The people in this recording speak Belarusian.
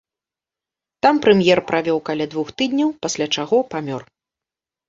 Там прэм'ер правёў каля двух тыдняў, пасля чаго памёр.